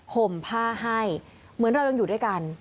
ห่มผ้าให้เหมือนเรายังอยู่ด้วยกัน